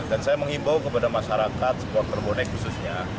dan saya mengimbau kepada masyarakat supporter bonek khususnya